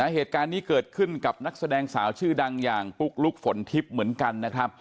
เหตุการณ์นี้เกิดขึ้นกับนักแสดงสาวชื่อดังอย่างปุ๊กลุ๊กฝนทิพย์เหมือนกันนะครับ